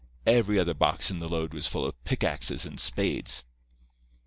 Every other box in the load was full of pickaxes and spades.